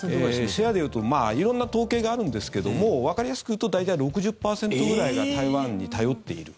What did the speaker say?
シェアでいうと色んな統計があるんですけどもわかりやすく言うと大体６０％ぐらいが台湾に頼っている。